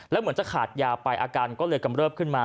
แล้วเหมือนจะขาดยาไปอาการก็เลยกำเริบขึ้นมา